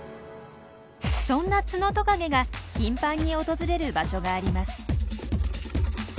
そんなツノトカゲが頻繁に訪れる場所があります。